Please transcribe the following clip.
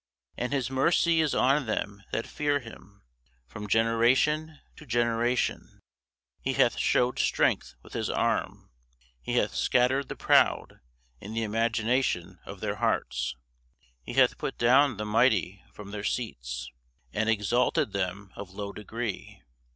And his mercy is on them that fear him From generation to generation. He hath shewed strength with his arm; He hath scattered the proud in the imagination of their hearts. He hath put down the mighty from their seats, And exalted them of low degree.